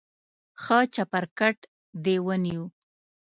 ښه چپرکټ دې ونیو.